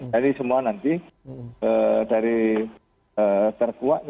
jadi semua nanti dari terkuat